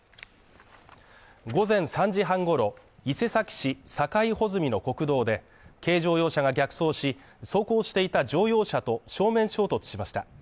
午前３時半ごろ、伊勢崎市境保泉の国道で、軽乗用車が逆走し走行していた乗用車と正面衝突しました。